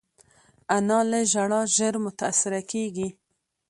انا له ژړا ژر متاثره کېږي